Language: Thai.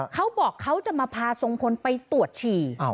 เขาบอกเขาจะมาพาทรงพลไปตรวจฉี่